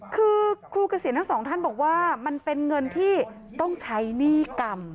คือครูเกษียณทั้งสองท่านบอกว่ามันเป็นเงินที่ต้องใช้หนี้กรรม